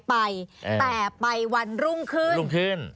ไปแต่ไปวันรุ่งขึ้น